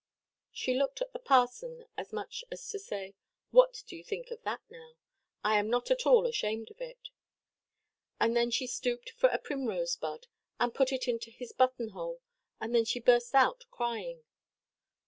She looked at the parson, as much as to say, "What do you think of that, now? I am not at all ashamed of it." And then she stooped for a primrose bud, and put it into his button–hole, and then she burst out crying.